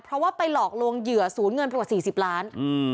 เพราะว่าไปหลอกลวงเหยื่อศูนย์เงินไปกว่า๔๐ล้าน